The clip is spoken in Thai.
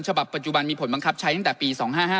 ปัจจุบันมีผลบังคับใช้ตั้งแต่ปี๒๕๕